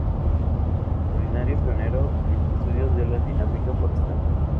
Extraordinario pionero en los estudios de la dinámica forestal.